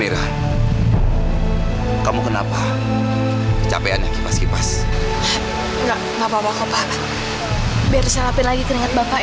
pak kalau bapak capek biar saya aja pak